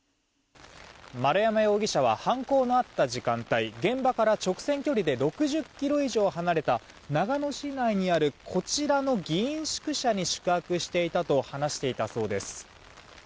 丸山容疑者は犯行のあった時間帯現場から直線距離で６０ｋｍ以上離れた長野市内にあるこちらの議員宿舎に宿泊していたと話していたそうです。